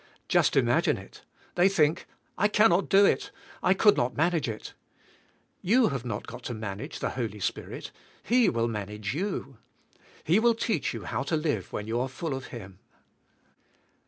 Just imagine it. They think: I cannot do it; I could not manage it! T'oii have not to manage the Holy Spirit; He will manage yo7i. He will teach you how to live when you are full of Him.